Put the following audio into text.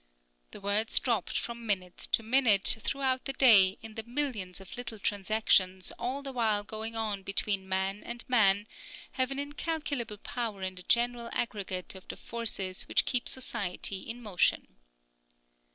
The words dropped from minute to minute, throughout the day, in the millions of little transactions all the while going on between man and man, have an incalculable power in the general aggregate of the forces which keep society in motion.